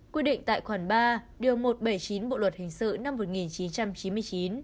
quy định tại khoản ba điều một trăm bảy mươi chín bộ luật hình sự năm một nghìn chín trăm chín mươi chín